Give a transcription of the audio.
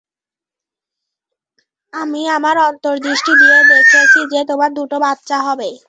আমি আমার অন্তর্দৃষ্টি দিয়ে দেখেছি যে, তোমার দুটো বাচ্চা হবে।